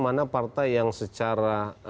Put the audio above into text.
mana partai yang secara